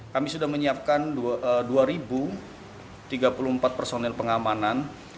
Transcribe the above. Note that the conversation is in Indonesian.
kami sudah menyiapkan dua tiga puluh empat personil pengamanan